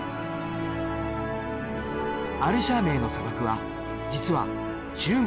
アルシャー盟の砂漠は実は中国